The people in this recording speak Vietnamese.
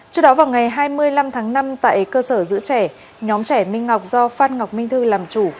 trước đó vào ngày hai mươi năm tháng năm tại cơ sở giữ trẻ nhóm trẻ minh ngọc do phan ngọc minh thư làm chủ